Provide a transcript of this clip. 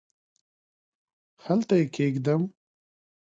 هلته یې کښېږدم ؟؟